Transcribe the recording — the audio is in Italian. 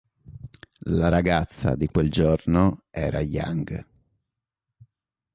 La ragazza di quel giorno era Yang.